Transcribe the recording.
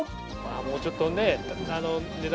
もうちょっとね。